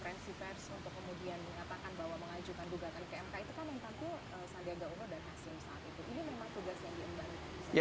itu kan menentu sandiaga uroh dan hasim saat itu ini memang tugas yang diemban